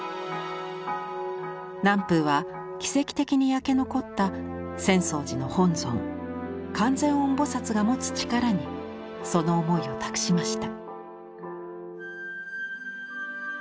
南風は奇跡的に焼け残った浅草寺の本尊観世音菩が持つ力にその思いを託しました。